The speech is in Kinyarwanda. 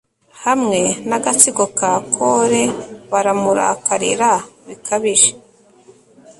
hamwe n'agatsiko ka kore, baramurakarira bikabije